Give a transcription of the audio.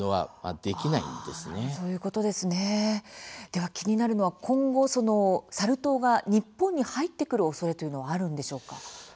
では気になるのは、今後サル痘が日本に入ってくるおそれというのはあるんでしょうか？